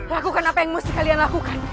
lakukan apa yang mesti kalian lakukan